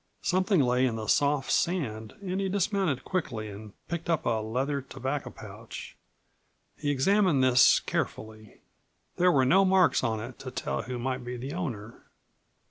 Something lay in the soft sand and he dismounted quickly and picked up a leather tobacco pouch. He examined this carefully. There were no marks on it to tell who might be the owner.